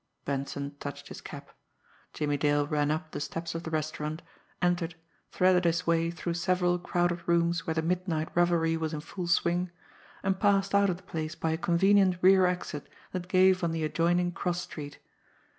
Benson touched his cap. Jimmie Dale ran up the steps of the restaurant, entered, threaded his way through several crowded rooms where the midnight revelry was in full swing and passed out of the place by a convenient rear exit that gave on the adjoining cross street.